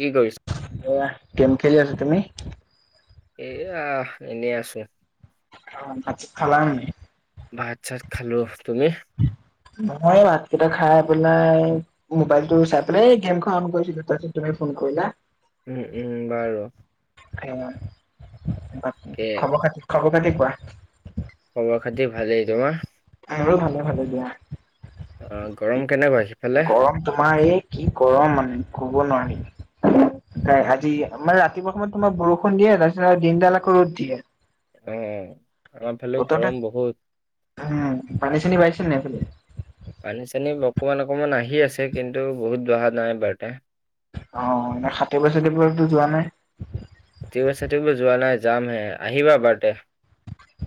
কি কৰিছ এইয়া, গেম খেলি আছোঁ, তুমি? এইয়াহ, এনেই আছোঁ। অ', ভাত খালানি? ভাত-চাত খালোঁ, তুমি? মই এই ভাতকেইটা খায় পেলাই মোবাইলটো চাই পেলাই এই গেমখন অন কৰিছিলোঁ, তাৰপাছত তুমি ফোন কৰিলা। উম উম, বাৰু। অ', বাকী তাকে খবৰ খাতি-খবৰ খাতি কোৱা। খবৰ-খাতি ভালেই, তোমাৰ? মোৰো ভালেই-ভালেই দিয়া, অ গৰম কেনেকুৱা সিফালে? গৰম? তোমাৰ এই কি গৰম মানে, ক'ব নোৱাৰি। [unintelligible] মানে ৰাতিপুৱা সময়ত তোমাৰ বৰষুণ দিয়ে, তাৰপিছত আকৌ দিনদাল আকৌ ৰ'দ দিয়ে। অ', আমাৰ ফালেও বতৰতে গৰম বহুত। উম, পানী-চানী বাঢ়িছে নাই সেইফালে? পানী-চানী অকমান অকমান আহি আছে, কিন্তু, বহুত বঢ়া নাই বাৰু এটা। অ', নাই সাঁতুৰিবলৈ-চাতুৰিবলৈতো যোৱা নাই? সাঁতুৰিব-চাতুৰিব যোৱা নাই, যাম হে, আহিবা বাৰু তে।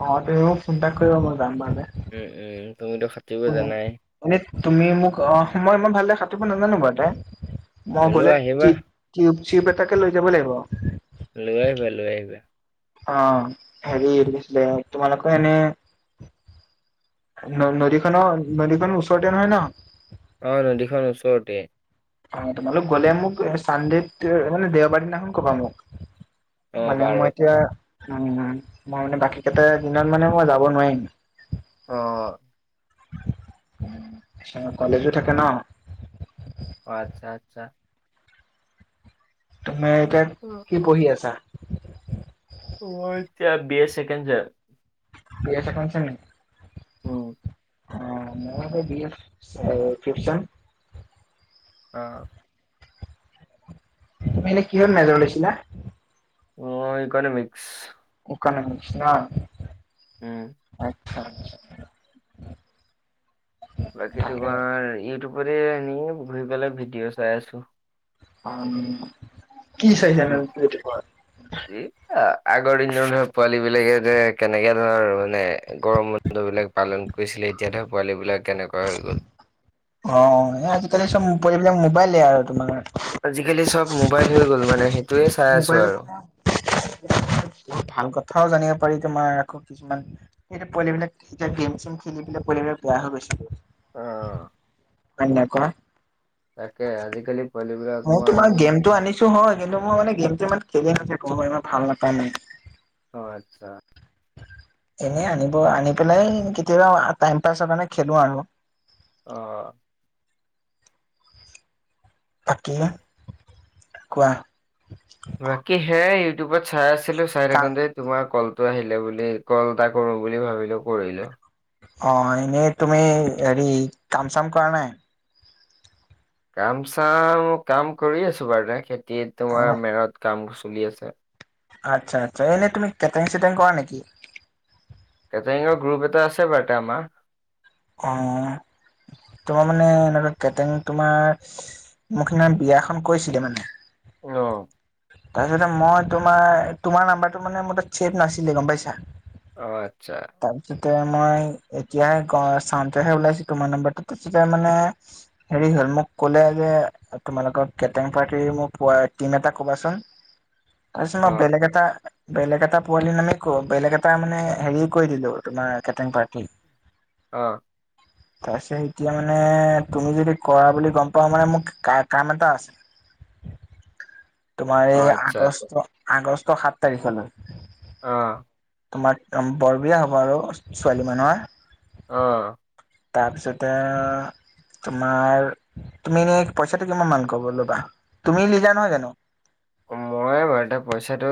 অ', তুমি মোক ফোন এটা কৰিবা, মই যাম বাৰু তে। উম উম, তুমিতো সাঁতুৰিব জানাই? মানে তুমি মোক অ'-মই ইমান ভালদৰে সাতুঁৰিব নাজানো বাৰু তে, মই হ'লেও গ'লে আহিবা তি টিউব চিউব এটাকে লৈ যাব লাগিব। লৈ আহিবা লৈ আহিবা। অ', হেৰি এইটো কি আছিলে, তোমালোকৰ এনে নদ-নদীখনৰ নদীখনৰ ওচৰতে নহয় ন? অ', নদীখন ওচৰতে। অ', তোমালোক গ'লে মোক চাণ্ডডেত মানে দেওবাৰ দিনাখন ক'বা মোক। অ মানে বাৰু। মই এতিয়া উম, মই মানে বাকীকেইটা দিনত মানে মই যাব নোৱাৰিম। অ' কলেজো থাকে ন। অ', আচ্ছা-আচ্ছা। তুমি এতিয়া কি পঢ়ি আছা? মই এতিয়া B A second sem. B A second sem নেকি? উম'। অ', মইও সেই বি এ ফিফ্থছেম। অ'। তুমি এনে কিহত মেজৰ লৈছিলা? মই ইকনমিক্স। [inaudible] উম আচ্ছা। বাকী তাকে তোমাৰ ইউটিউবতে এনে ঘুৰি পেলাই ভিডিঅ চাই আছোঁ। আম, কি চাইছানো ইউটিউবত? আগৰ দিনৰ ধৰ পোৱালিবিলাকে যে কেনেকে ধৰ মানে গৰমত দ বিলাক পালন কৰিছিলে এতিয়া ধৰা পোৱালিবিলাক কেনেকোৱা হৈ গ'ল। অ আজিকালি চব পোৱালিবিলাক মোবাইলে আৰু তোমাৰ। আজিকালি চব মোবাইল হৈ গ'ল মানে সেই [inaudible] ভাল কথাও জানিব পাৰি তোমাৰ আকৌ কিছুমান এতিয়াটো পোৱালি বিলাক এতিয়া গেম-চেম খেলি পেলাই পোৱালি বিলাক বেয়া হয় গৈছে। অ। হৈ নাই কোৱা? তাকে আজিকালি পোৱালিবিলাক মই অকমান তোমাৰ গেমটো আনিছো হয় কিন্তু মই মানে গেমটো ইমান খেলি নাথাকো মই ইমান ভাল নাপাও মানে। অ আচ্ছা। এনেই আনিব আনি পেলাই কেতিয়াবা টাইম পাছৰ কাৰণে খেলো আৰু। অ অ বাকী কোৱা? বাকী হেয়াই ইউটিউব চাই আছিলো চাই কা থাকোন তে তোমাৰ কলটো আহিলে বুলি, কল এটা কৰো বুলি ভাবিলো কৰিলো। অ এনেই তুমি হেৰি কাম চাম কৰা নাই? কাম চাম কাম কৰি আছো বাৰু দে খেতিত অ তোমাৰ মেৰত কাম চলি আছে। আচ্ছা আচ্ছ, এনে তুমি কেটিং চেটিং কৰা নিকী? কটেঙৰ গ্ৰুপ এটা আছে বাৰুতে আমাৰ। অঁ। তোমাৰ মানে এনেকুৱা কেটেন তোমাৰ মোক মানে বিয়া এখন কৈছিলে মানে। অঁ। তাৰপিছ মই তোমাৰ, তোমাৰ নাম্বাৰটো মানে মোৰ তাত চেভ নাছিলে গম পাইছা। অ আচ্ছা। তাৰপিছতে মই এতিয়াহে ক চাওঁতে ওলাইছো তোমাৰ নাম্বাৰটো, তাৰপিছতে মানে হেৰি হ'ল মোক ক'লে যে তোমালোকৰ কেটেৰিং পাৰ্টিৰ পোৱা ৰ টিম এটা কবাচোন। তাৰপিছত অ মই বেলেগ এটা বেলেগ এটা পোৱালি মানে ক বেলেগ এটা মানে হেৰি ক দিলো তোমাৰ কেটং পাৰ্টি। অ। [unintelligible] তাৰ পিছত এতিয়া মানে তুমি যদি কৰা বুলি গম পাও মানে মোক কা কাম এটা আছে। তোমাৰ অ এই আচ্ছা আগষ্ট আগষ্ট সাতঁ তাৰিখৰ লৈ। অঁ। তোমাক তম বৰ বিয়া হ'ব আৰু ছোৱালী মানুহৰ। অঁ। তাৰপিছতে এ তোমাৰ, তুমি এনেই পইচাটো কিমান মান কব ল'বা, তুমি লিডাৰ নহয় জানো? মই বাৰু এতিয়া পইচাটো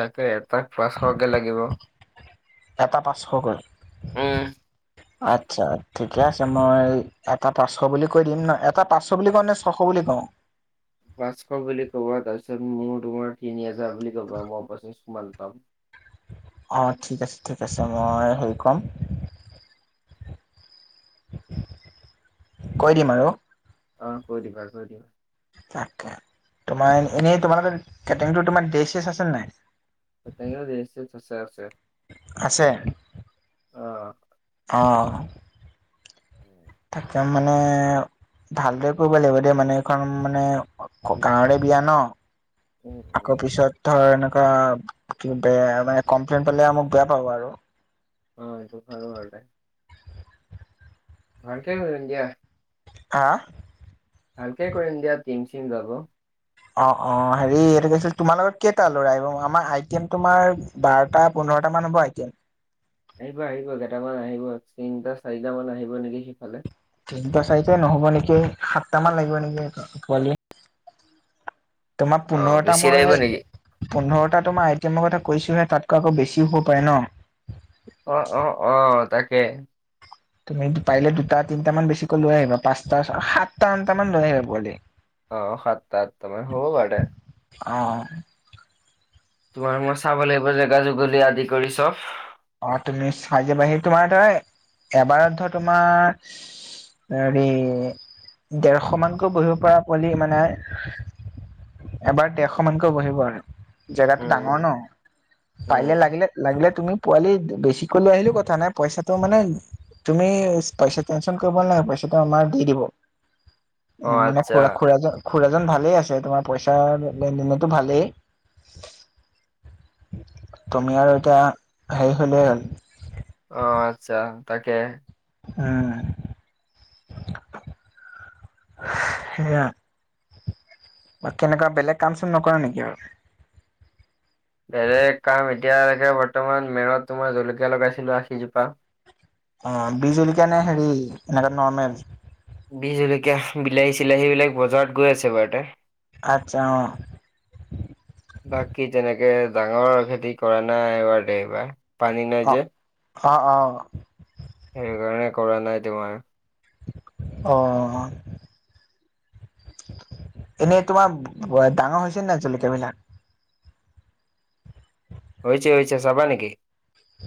তাকে এটাক পাচঁশ কে লাগিব। এটা পাঁচশ কৈ উম আচ্ছা। ঠিকে আছে মই এটা পাঁচশ বুলি কৈ দিম ন, এটা পাঁচশ বুলি কওঁ নে ছয়শ বুলি কওঁ? পাচঁশ বুলি ক'বা তাৰপিছত মোৰ তোমাৰ তিনি‌ হাজাৰ বুলি কবা মই পঁচিশ মান পাম। অঁ, ঠিক আছে, ঠিক আছে, মই হেৰি কম। কৈ দিম আৰু। অ, কৈ দিবা, কৈ দিবা। তাকে, তোমাৰ এনেই তোমালোকৰ কেটেৰিংটো তোমাৰ ড্ৰেছ- চেছ আছেনে নাই? তেনেকে ড্ৰেছ- চেছ আছে, আছে। আছে। অ। অঁ। [inaudible] থাকে মানে ভালদৰে কৰিব লাগিব দেই মানে, এইখন মানে গাঁওৰে বিয়া নহ! উম আকৌ উম পিছত ধৰ এনেকুৱা কি বেয়া, মানে কমপ্লেইন পালে মোক বেয়া পাব আৰু। অ, এইটো ভাল হোৱা নাই। ভালকে কৰিম দিয়া। হা! ভালকে কৰিম দিয়া, টীম-চিম যাব। অ, অ, হেৰি এইটো কি আছিল, তোমাৰ লগত কেইটা ল'ৰা আহিব? আমাৰ আইটেম তোমাৰ বাৰটা-পোন্ধৰটা মান হ'ব আইটেম। আহিব, আহিব, কেইটামান আহিব, তিনিটা-চাৰিটা মান আহিব নেকি সিফালে। তিনিটা-চাৰিটাই নহ'ব নেকি? সাতটা মান লাগিব নেকি পোৱালি? তোমাৰ অ পোন্ধৰটা বেছি লাগিব মই নেকি পোন্ধৰটা তোমাৰ আইটেমৰ কথা কৈছোহে, তাতকৈ আকৌ বেছিও হ'ব পাৰে ন! অ, অ, অ, তাকে। তুমি পাৰিলে দুটা-তিনিটা মান বেছিকৈ লৈ আহিবা, পাঁচটা, সাতটা-আঠটা মান লৈ আহিবা পোৱালি। অ, সাতটা-আঠটা মান, হ'ব বাৰু দে। অ, অ। তোমাৰ মই চাব লাগিব, জেগা যুগলি আদি কৰি চব। অ, তুমি চাই যাবাহি, তোমাৰ ধৰা, এবাৰত ধৰা তোমাৰ হেৰি, ডেৰশ মানকৈ বহিব পৰা পোৱালি মানে এবাৰ ডেৰশ মানকৈ বহিব আৰু, জেগাতো উম ডাঙৰ উম ন! পাৰিলে উম। লাগিলে, লাগিলে, তুমি পোৱালি বেছিকৈ লৈ আহিলেও কথা নাই, পইচাটো মানে তুমি পইচা টেনশন কৰিব নালাগে, পইচাটো আমাৰ দি দিব। অ উম, মানে আচ্ছা খুৰা, খুৰাজন খুৰাজন ভালেই আছে, তোমাৰ পইচা লেন-দেনতো ভালেই। তুমি আৰু এতিয়া হেৰি হ'লে হ'ল। অ, আচ্ছা, তাকে। উম। সেয়া। বাকী এনেকুৱা বেলেগ কাম-চাম নকৰা নেকি আৰু? বেলেগ কাম এতিয়ালেকে বৰ্তমান মেৰত তোমাৰ জলকীয়া লগাইছিলো আশীজোপা। অ, বিহ জলকীয়া নে, হেৰি নৰ্মেল? বিহ জলকীয়া, বিলাহী-চিলাহী বিলাক বজাৰত গৈ আছে বাৰুতে। আচ্ছা, অ। বাকী, তেনেকে ডাঙৰ খেতি কৰা নাই এইবাৰ, [unintelligible] পানী নাই অ। যে। অ, অ। সেইকাৰণে কৰা নাই তোমাৰ। অ'। এনেই তোমাৰ ডাঙৰ হৈছে নে নাই জলকীয়া বিলাক? হৈছে হৈছে চাবা নেকি?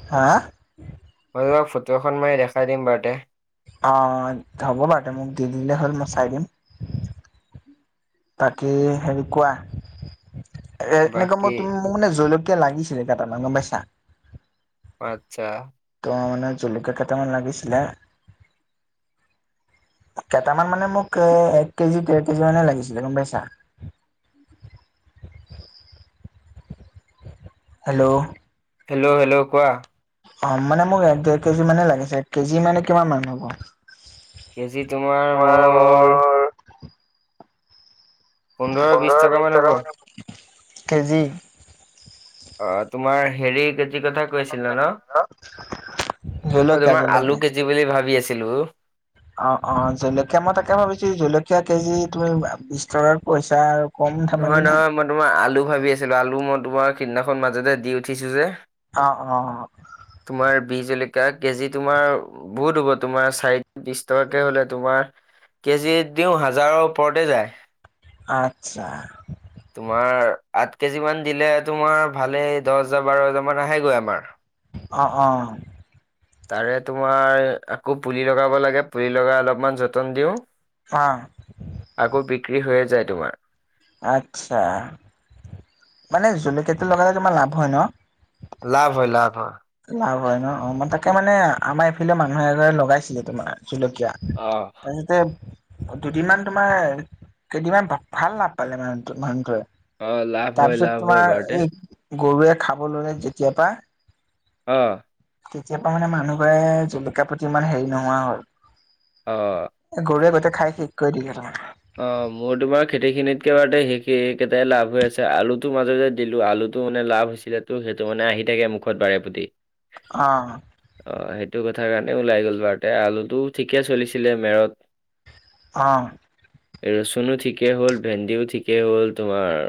হা? মই তোমাক ফটো এখন মাৰি দেখাই দিম বাৰু তে। অ', হ'ব বাৰু তে মোক দি দিলে হ'ল মই চাই দিম। বাকী হেৰি কোৱা? [unintelligible] বাকী জলকীয়া লাগিছিলে কেইটামান গম পাইছা। আচ্ছা ত মানে জলকীয়া কেইটামান লাগিছিলে। কেইটামান মানে মোক এক কেজি ডেৰ কেজি মানে লাগিছিলে গম পাইছা। হেল্ল' হেল্ল' হেল্ল' কোৱা অ' মানে মোক এক দেৰ কেজি মানে লাগিছিল এক কেজি মানে কিমান মান হ'ব? এক কেজিত তোমাৰ মোৰ পোন্ধৰ বিশ টকা মানে কেজি। অ' তোমাৰ হেৰি কেজি কথা কৈছে। ন মই জলকীয়া তোমাৰ আলু জলকীয়া কেজি বুলি ভাবি আছিলোঁ। অ', অ' জলকীয়া মই তাকে ভাবিছোঁ জলকীয়া কেজি তুমি স্তৰত পইচা আৰু কম ধেমালি নহয় নে নহয় মই তোমাৰ আলু ভাবি আছিলোঁ আলু মই তোমাৰ সেইদিনাখন মাজতে দি উঠিছোঁ যে। অ', অ', অ'। তোমাৰ বি জলকীয়া কেজি তোমাৰ বহুত হ'ব তোমাৰ চাৰিত বিশ টকাকে হলে তোমাৰ কেজিয়ে দিওঁ হাজাৰৰ ওপৰতে যায়। আচ্ছা। তোমাৰ আঠ কেজি মান দিলে তোমাৰ ভালেই দহ হাজাৰ বাৰ হাজাৰ মান আহেগৈ আমাৰ। অ', অ'। তাৰে তোমাৰ আকৌ পুলি লগাব লাগে পুলি লগাই অলপমান যতন দিওঁ। [unintelligible] আকৌ বিক্ৰী হৈয়ে যায় তোমাৰ। আচ্ছা মানে জলকীয়াটো লগালে তোমাৰ লাভ হয় ন? লাভ হয়, লাভ হয়। লাভ হয় ন? অ', তাকে মানে আমাৰ এইফালে মানুহে এজনে লগাইছিলে তোমাৰ জলকীয়া। অ', তাৰপিছতে দুদিনমান তোমাৰ কেইদিনমান ভাল লাভ পালে মানে মানুহটোৱে। অ', লাভ হয় তাৰপিছত লাভ হয় তোমাৰ বাৰুতে এই গৰুৱে খাব ল'লে যেতিয়াৰ পৰা অ'। তেতিয়াৰা পৰা মানে মানুহ ঘৰে জলকীয়াৰ প্ৰতি ইমান হেৰি নোহোৱা হল অ'। এ গৰুৱে গোটেই খাই শেষ কৰি দিলে তাৰ। অ', মোৰ তোমাৰ খেতি খিনিতকে বাৰুতে শেষে হেইকেইটায়ে লাভ হৈ আছে, আলুটো মাজতে দিলো, আলু টো মানে লাভ হৈছিলেতো, সেইটো মানে আহি থাকে মুখত বাৰে প্ৰতি। অ'। অ' সেইটো কথাৰ কাৰণে ওলাই গ'ল বাৰুতে, আলুটো ঠিকে চলিছিলে মেৰত অ'। ৰচুনো ঠিকেই হ'ল ভেন্দিও ঠিকেই হ'ল তোমাৰ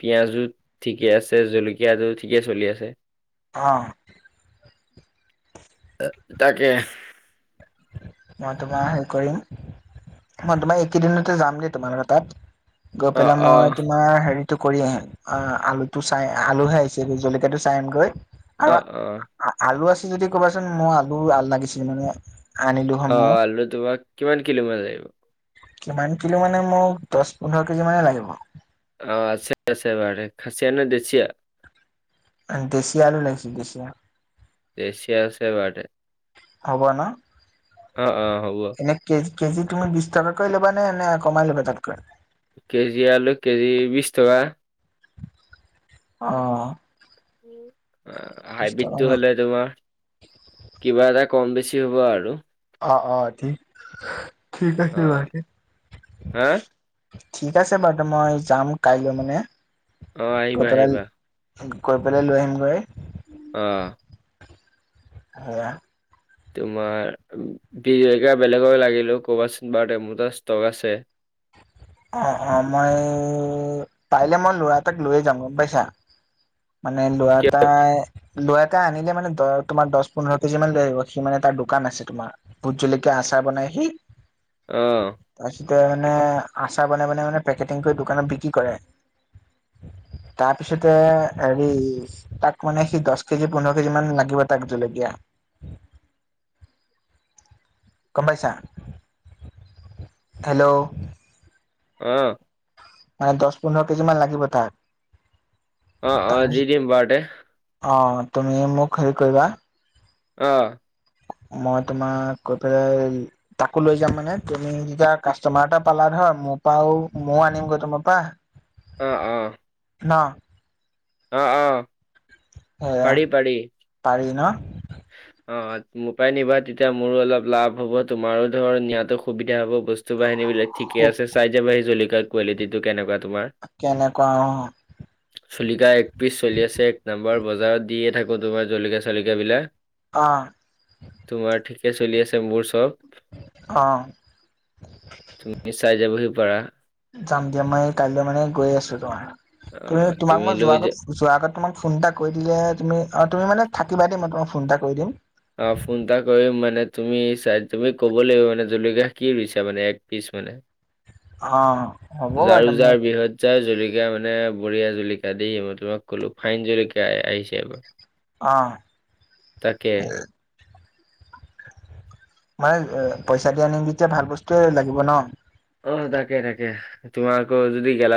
পিয়াজো ঠিকে আছে জলকীয়াটো ঠিকে চলি আছে অ অ তাকে মই তোমাৰ হেৰি কৰিম মই তোমাৰ এইকেইদিনতে যাম দেই তোমালোকৰ তাত গৈ অ পেলাই অ মই তোমাৰ হেৰি টো কৰি আহিম আ আলু টো চাই আলুহে আহিছেই জলকীয়া টো চাই আহিমগৈ অঁ অঁ আ আলু আছে যদি ক'বাচোন মই আলু লাগিছিল মানে আনিলো হয় অ মই আলু তোমাক কিমান কিলো মান লাগিব কিমান কিলো মানে মোক দহ পোন্ধৰ কেজি মানে লাগিব অ আছে আছে বাৰে খাচিয়া নে দেচিয়া দেচিয়া আলু লাগিছিল দেচিয়া দেচিয়া আছে বাৰুতে হ'ব ন অ অ হ'ব এনে কেজি কেজি তুমি বিছ টকাকৈ ল'বা নে এনে কমাই ল'বা তাতকৈ কেজি আলু কেজি বিছ টকা অ উম অ বিশ টকা হাইব্ৰীড ন হলে তোমাৰ কিবা এটা কম বেছি হ'ব আৰু অ অ ঠিক ঠিক অ আছে বাকি হা ঠিক আছে বাৰুতে মই যাম কাইলৈ মানে অ গৈ আহিবা পেলাই আহিবা গৈ পেলাই লৈ আহিমগৈ অইয় সেয়া তোমাৰ বি জলকীয়া বেলেগক লাগিলেও ক'বাচোন বাৰুতে মোৰ তাত ষ্টক আছে অ অ মই পাৰিলে মই ল'ৰা এটাক লৈ যাম গম পাইছা। মানে ল'ৰা কিয় এটাই লৱা এটা আনিলে মানে দহ তোমাৰ দছ পোন্ধৰ কেজি মান লৈ আহিব সি মানে তাৰ দোকান আছে তোমাৰ। ভুত জুলকীয়া আচাৰ বনাই সি অ। তাৰপিছতে মানে আচাৰ বনাই বনাই মানে পেকেটিং কৰি দোকানত বিকি কৰে। তাৰপিছতে এৰি তাক মানে সি দছ কেজি পোন্ধৰ কেজি মান লাগিব তাক জলকীয়া। গম পাইছা, হেল্ল' অ। মানে দছ পোন্ধৰ কেজি মান লাগিব তাক। অ অ দি তাৰপিছত দিম বাৰুতে। অ তুমি মোক হেৰি কৰিবা। অ। মই তোমাক গৈ পেলাই তাকো লৈ যাম মানে তুমি তেতিয়া কাষ্টমাৰ এটা পালা ধৰা মোৰ পৰাও ময়ও আনিমগৈ তোমাৰ পা অঁ অঁ ন অঁ অঁ। এ পাৰি ন? অ মোৰ পৰাই নিবা তেতিয়া মোৰো অলপ লাভ হব তোমাৰো ধৰা নিয়াতো সুবিধা হব বস্তু বাহিনী বিলাক। ঠিকে খুব আছে চাই যাবা সেই জলিকীয়াৰ কোৱালিটি টো কেনেকুৱা তোমাৰ। কেনেকুৱা অ। জলিকা একত্ৰিছ চলি আছে এক নম্বৰ বজাৰত দিয়ে থাকো তোমাৰ জলকীয়া চলকীয়া বিলাক। অ। তোমাৰ ঠিকে চলি আছে মোৰ চব। অ। তুমি চাই যাবহি পাৰা। যাম দিয়া মই কাইলৈ মানে গৈ আছোঁ তোমাৰ তুমি অ', তোমাক মই যোৱাৰ লৈ আগত, যোৱা আগত তোমাক ফোন এটা কৰি দিলে হে তুমি অ তুমি মানে থাকিবা দেই মই তোমাক ফোন এটা কৰি দিম। অ ফোন এটা কৰিম মানে, তুমি চাই তুমি ক'ব লাগিব মানে জলকীয়া কি ৰুইছা মানে এক পিচ মানে। অ। হ'ব জাৰু বাৰু মই যাৰ বিহৎ। জাৰ জলকীয়া মানে বঢ়িয়া জলকীয়া দেই মই তোমাক কলো ফাইন জলকীয়া আহিছে এইবাৰ। অ। তাকে মানে এ পইচা দি আনিম যেতিয়া ভাল বস্তুৱে লাগিব ন। অ তাকে তাকে তোমাৰ আকৌ যদি গেলা,